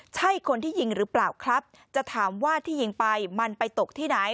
ใช่คนที่ยิงหรือเปล่าครับจะถามว่าที่ยิงไปมันไปตกที่ไหน